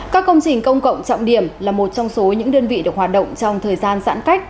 các công trình công cộng trọng điểm là một trong số những đơn vị được hoạt động trong thời gian giãn cách